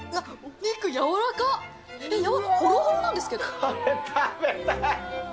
やわこれ、食べたい！